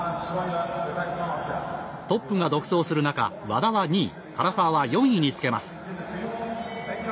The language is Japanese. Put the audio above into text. トップが独走する中和田は２位唐澤は４位につけます。